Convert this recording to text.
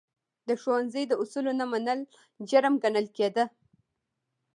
د ښوونځي د اصولو نه منل، جرم ګڼل کېده.